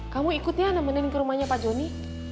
kamu ikutnya nemenin ke rumahnya pak joni